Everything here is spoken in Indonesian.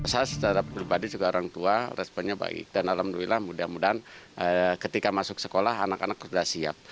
saya secara pribadi juga orang tua responnya baik dan alhamdulillah mudah mudahan ketika masuk sekolah anak anak sudah siap